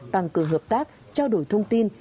tăng cường hợp tác trao đổi thông tin